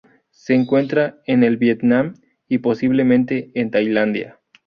Se encuentra en el Vietnam y, posiblemente en Tailandia.